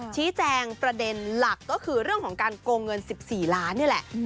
ทีแจงประเด็นหลักก็คือเรื่องของเกิงเงิน๑๔ล้านบาท